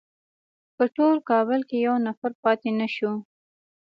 په ټول کابل کې یو نفر پاتې نه شو.